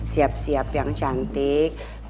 siap siap yang cantik